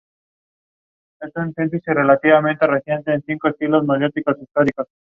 Comenzó elaborando productos de un modo artesanal, utilizando recetas originarias de Italia.